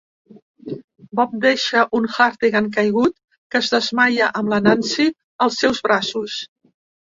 Bob deixa un Hartigan caigut, que es desmaia amb la Nancy als seus braços.